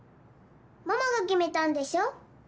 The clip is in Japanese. ママが決めたんでしょ。